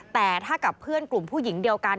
แต่ถ้ากับเพื่อนกลุ่มผู้หญิงเดียวกัน